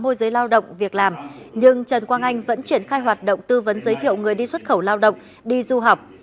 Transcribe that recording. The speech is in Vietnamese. tư vấn giới lao động việc làm nhưng trân quang anh vẫn triển khai hoạt động tư vấn giới thiệu người đi xuất khẩu lao động đi du học